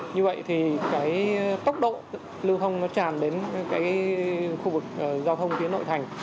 như vậy thì tốc độ lưu thông tràn đến khu vực giao thông phía nội thành